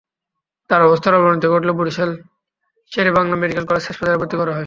তার অবস্থার অবনতি ঘটলে বরিশাল শেরেবাংলা মেডিকেল কলেজ হাসপাতালে ভর্তি করা হয়।